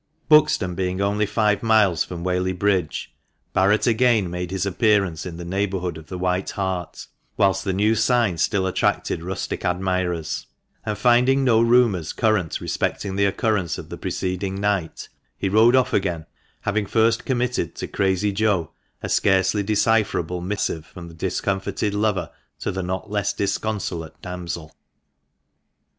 Buxton being only five miles from Whaley Bridge, Barret again made his appearance in the neighbourhood of the "White Hart," whilst the new sign still attracted rustic admirers; and, finding no rumours current respecting the occurrence of the preceding night, he rode off again, having first committed to Crazy Joe a scarcely decipherable missive from the discomfited lover to the not less disconsolate damsel.